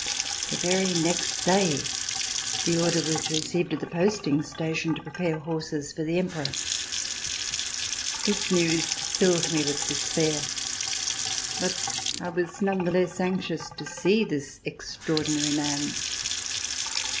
The very next day the order was received at the posting station to prepare horses for the Emperor. This news filled me with despair, but I was none the less anxious to see this extraor dinary man.